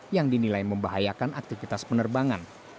yang dinilai membahayakan aktivitas penerbangan